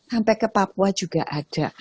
sampai ke papua juga ada